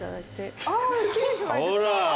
あ奇麗じゃないですか。